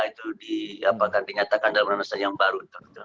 itu dinyatakan dalam undang undang dasar yang baru